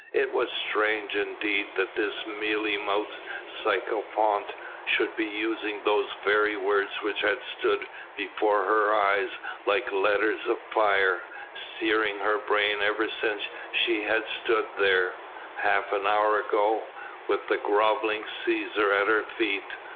It was strange indeed that this mealy mouthed sycophant should be using those very words which had stood before her eyes like letters of fire, searing her brain ever since she had stood here half an hour ago with the grovelling Cæsar at her feet.